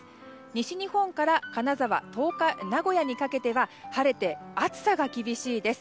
西日本から金沢名古屋にかけては晴れて、暑さが厳しいです。